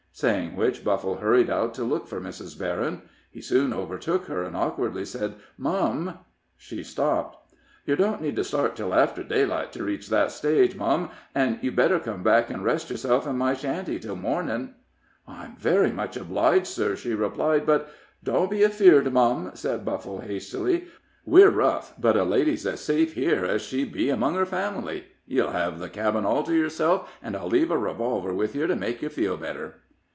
Saying which, Buffle hurried out to look for Mrs. Berryn. He soon overtook her, and awkwardly said: "Mum!" She stopped. "Yer don't need to start till after daylight to reach that stage, mum, an' you'd better come back and rest yerself in my shanty till mornin'." "I am very much obliged, sir," she replied, "but " "Don't be afeard, mum," said Buffle, hastily. "We're rough, but a lady's as safe here as she'd be among her family. Ye'll have the cabin all to yerself, an' I'll leave a revolver with yer to make yer feel better."